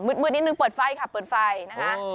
มืดนิดนึงเปิดไฟค่ะเปิดไฟนะคะ